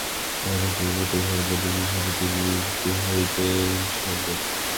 উহাও একটি দুর্বলতা, উহাও মন্দ জিনিষের প্রতি ভীতি হইতে সঞ্জাত।